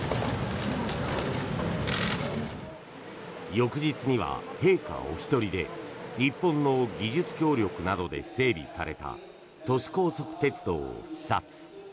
翌日には陛下お一人で日本の技術協力などで整備された都市高速鉄道を視察。